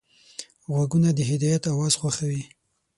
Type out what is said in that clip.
غوږونه د هدایت اواز خوښوي